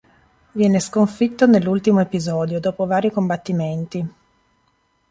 Viene sconfitto nell'ultimo episodio, dopo vari combattimenti.